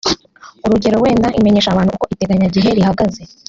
urugero wenda imenyesha abantu uko iteganyagihe rihagaze